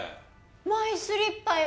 マイスリッパよ。